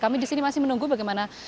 kami di sini masih menunggu bagaimana